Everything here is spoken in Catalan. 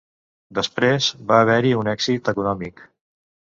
Després, va haver-hi un èxit econòmic.